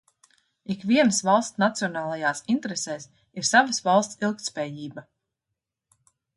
Ikvienas valsts nacionālajās interesēs ir savas valsts ilgtspējība.